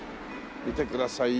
見てくださいよ。